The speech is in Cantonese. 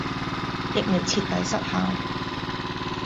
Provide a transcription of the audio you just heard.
疫苗徹底失效